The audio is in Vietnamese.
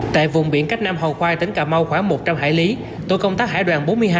tại vùng biển cách nam hò khoai tỉnh cà mau khoảng một trăm linh hải lý tội công tác hải đoàn bốn mươi hai